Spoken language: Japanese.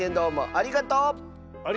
ありがとう！